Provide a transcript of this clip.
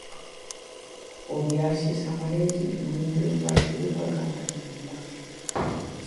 O Viaxes Amarelle nun intre do partido co Alcantarilla, Murcia.